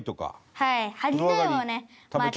はい。